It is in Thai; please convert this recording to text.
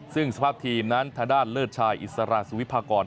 ซึ่งสภาพทีมนั้นทางด้านเลิศชายอิสระสุวิพากร